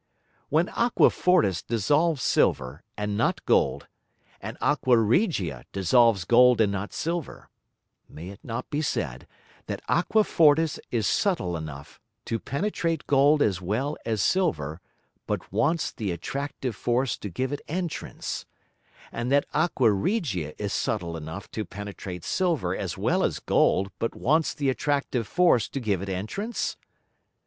When Aqua fortis dissolves Silver and not Gold, and Aqua regia dissolves Gold and not Silver, may it not be said that Aqua fortis is subtil enough to penetrate Gold as well as Silver, but wants the attractive Force to give it Entrance; and that Aqua regia is subtil enough to penetrate Silver as well as Gold, but wants the attractive Force to give it Entrance?